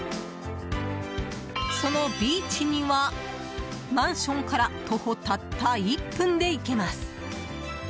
そのビーチには、マンションから徒歩たった１分で行けます。